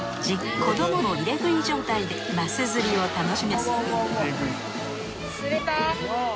子供でも入れ食い状態でマス釣りを楽しめます。